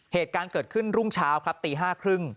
เหตุการณ์เกิดขึ้นรุ่งเช้าครับตี๕๓๐